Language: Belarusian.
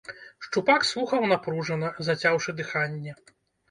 Шчупак слухаў напружана, зацяўшы дыханне.